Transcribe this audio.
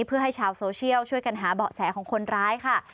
เพื่อให้ชาวโซเชียลช่วยกันหาเบาะแสของคนร้ายค่ะ